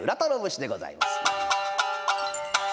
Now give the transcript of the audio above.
節でございます。